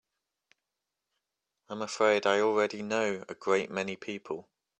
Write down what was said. I'm afraid I already know a great many people.